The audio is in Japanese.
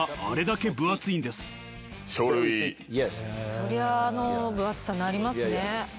そりゃあの分厚さになりますね。